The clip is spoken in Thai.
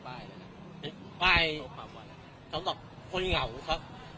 ป้ายที่เราถูกเป็นป้ายแล้วนะเป็นป้ายสำหรับคนเหงาครับ